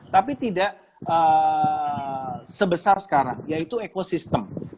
tapi tidak sebesar sekarang yaitu ekosistem